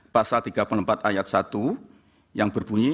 pasal tiga puluh empat ayat satu yang berbunyi